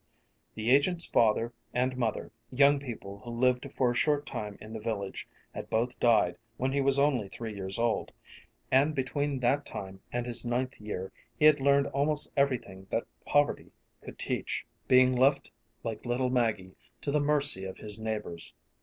The agent's father and mother, young people who lived for a short time in the village, had both died when he was only three years old, and between that time and his ninth year he had learned almost everything that poverty could teach, being left like little Maggie to the mercy of his neighbors.